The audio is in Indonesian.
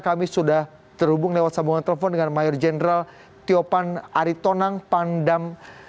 kami sudah terhubung lewat sambungan telepon dengan mayor jenderal tiopan aritonang pandam